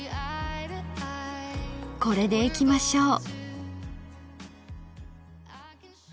これでいきましょう。